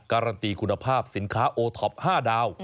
การันตีคุณภาพสินค้าโอท็อป๕ดาว